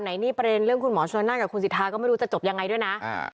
ไหนนี่ประเด็นเรื่องคุณหมอชนนั่นกับคุณสิทธาก็ไม่รู้จะจบยังไงด้วยนะอ่า